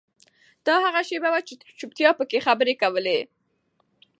دا هغه شیبه وه چې چوپتیا پکې خبرې کولې.